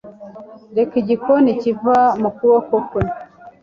reka igikoni kiva mu kuboko kwe